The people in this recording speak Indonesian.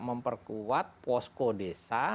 memperkuat posko desa